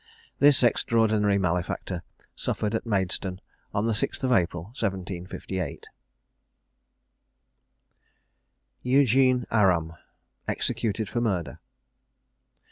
This extraordinary malefactor suffered at Maidstone on the 6th of April, 1758. EUGENE ARAM. EXECUTED FOR MURDER.